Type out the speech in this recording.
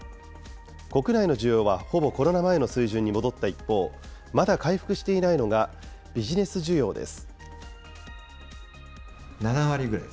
国内の需要はほぼコロナ前の水準に戻った一方、まだ回復していないのが、ビジネス需要です。